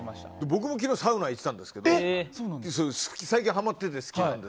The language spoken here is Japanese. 僕も昨日、サウナに行っていたんですが最近はまっていて。